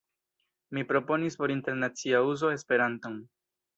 Mi proponis por internacia uzo Esperanton.